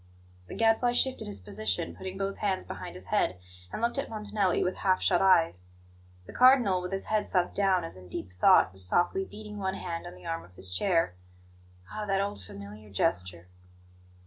The Gadfly shifted his position, putting both hands behind his head, and looked at Montanelli with half shut eyes. The Cardinal, with his head sunk down as in deep thought, was softly beating one hand on the arm of his chair. Ah, that old, familiar gesture!